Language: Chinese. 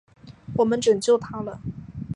我们拯救他了！